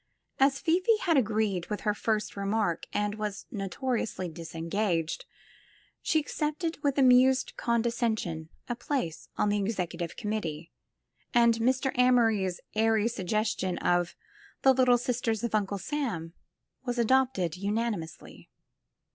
As Fifi had agreed with her jGirst remark, and was notoriously disengaged, shf accepted with amused condescension a place on the Executive Committee, and Mr. Amory's airy suggestion of ''The Little Sisters of Uncle Sam" was adopted unanimously.